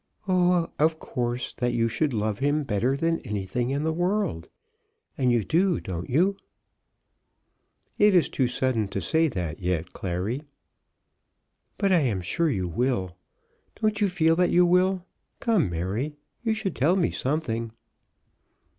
"Oh, of course that you should love him better than anything in the world. And you do, don't you?" "It is too sudden to say that yet, Clary." "But I am sure you will. Don't you feel that you will? Come, Mary, you should tell me something."